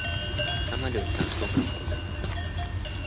Samolyotdan ko‘nglim qoldi.